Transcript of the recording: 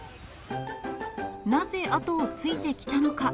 なぜ後をついてきたのか。